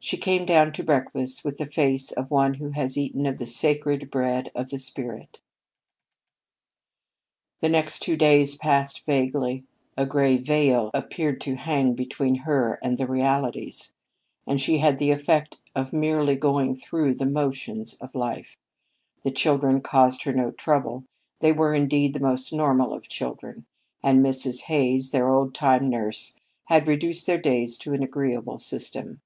She came down to breakfast with the face of one who has eaten of the sacred bread of the spirit. The next two days passed vaguely. A gray veil appeared to hang between her and the realities, and she had the effect of merely going through the motions of life. The children caused her no trouble. They were, indeed, the most normal of children, and Mrs. Hays, their old time nurse, had reduced their days to an agreeable system.